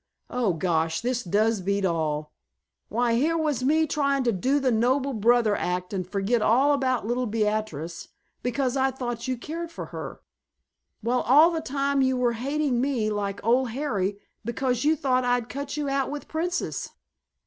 Oh, gosh, this does beat all! Why here was me trying to do the noble brother act and forget all about little Beatrice because I thought you cared for her, while all the time you were hating me like the old Harry because you thought I'd cut you out with Princess!